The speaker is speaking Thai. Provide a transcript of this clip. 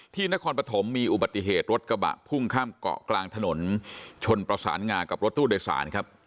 นครปฐมมีอุบัติเหตุรถกระบะพุ่งข้ามเกาะกลางถนนชนประสานงากับรถตู้โดยสารครับ